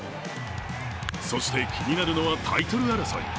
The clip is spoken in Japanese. そして、気になるのはタイトル争い。